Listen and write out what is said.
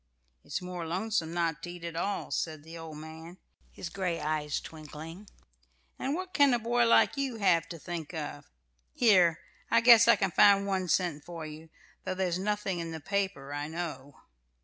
"It's more lonesome not to eat at all," said the old man, his gray eyes twinkling. "And what can a boy like you have to think of? Here, I guess I can find one cent for you, though there's nothing in the paper, I know."